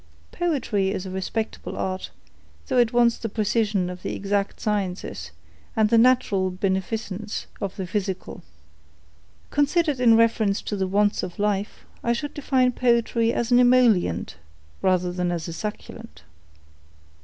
Poetry is a respectable art, though it wants the precision of the exact sciences, and the natural beneficence of the physical. Considered in reference to the wants of life, I should define poetry as an emollient, rather than as a succulent."